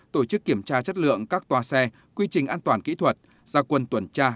tổ chức kiểm tra chất lượng các tòa xe quy trình an toàn kỹ thuật gia quân tuần tra